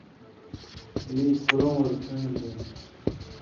میں کُھرؤں اور کن٘ڈہۡ بیں تھہ